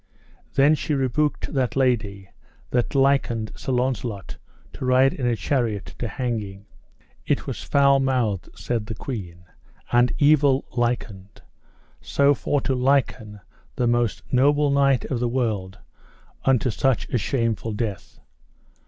Then she rebuked that lady that likened Sir Launcelot to ride in a chariot to hanging. It was foul mouthed, said the queen, and evil likened, so for to liken the most noble knight of the world unto such a shameful death.